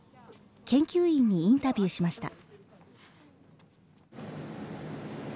研究員にインタビューしました。